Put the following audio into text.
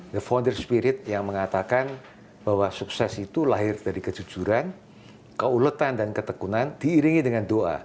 the founder spirit yang mengatakan bahwa sukses itu lahir dari kejujuran keuletan dan ketekunan diiringi dengan doa